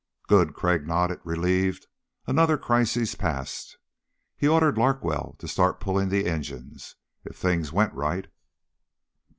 "Good." Crag nodded, relieved. Another crisis past. He ordered Larkwell to start pulling the engines. If things went right....